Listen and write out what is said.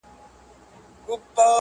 اته ساعته یې تنفس کړي